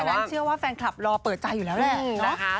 เพราะฉะนั้นเชื่อว่าแฟนคลับรอเปิดใจอยู่แล้วแหละเนาะ